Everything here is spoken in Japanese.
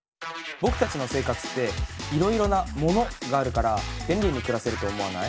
僕たちの生活っていろいろな「もの」があるから便利に暮らせると思わない？